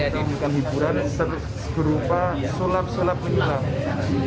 kita menghibur segerupa sulap sulap menjelang